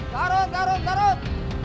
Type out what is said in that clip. garut garut garut